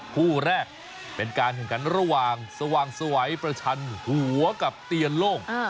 คู่แรกเป็นการแข่งขันระหว่างสว่างสวัยประชันหัวกับเตียนโล่ง